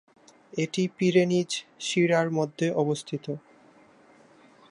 এটি পিরেনিজ শিরার মধ্যে অবস্থিত।